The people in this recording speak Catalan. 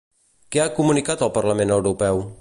Què ha comunicat el Parlament Europeu?